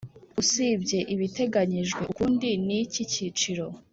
Usibye ibiteganyijwe ukundi n iki cyiciro